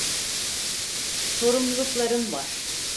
Sorumluluklarım var.